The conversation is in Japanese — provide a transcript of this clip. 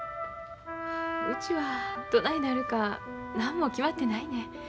うちはどないなるか何も決まってないねん。